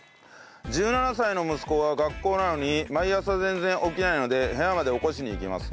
１７歳の息子が学校なのに毎朝全然起きないので部屋まで起こしに行きます。